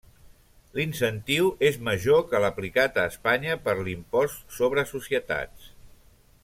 L'incentiu és major que l'aplicat a Espanya per l'Impost sobre Societats.